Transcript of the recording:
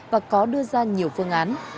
và có đưa ra nhiều phương án